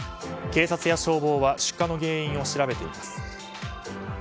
警察や消防は出火の原因を調べています。